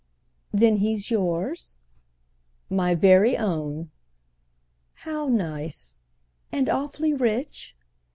"Then he's yours?" "My very own." "How nice! And awfully rich?"